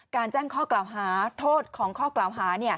แจ้งข้อกล่าวหาโทษของข้อกล่าวหา